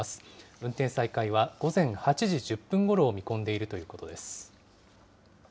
運転再開は午前８時１０分ごろを見込んでいるということです。